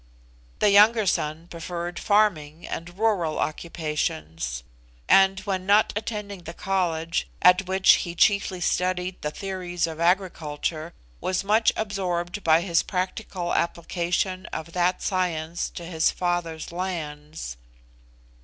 The younger son preferred farming and rural occupations; and when not attending the College, at which he chiefly studied the theories of agriculture, was much absorbed by his practical application of that science to his father's lands.